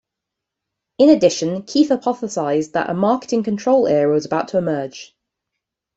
In addition, Keith hypothesised that a "marketing control era" was about to emerge.